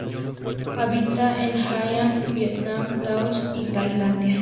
Habita en Hainan, Vietnam, Laos y Tailandia.